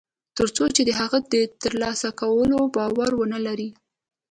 تر څو چې د هغه د تر لاسه کولو باور و نهلري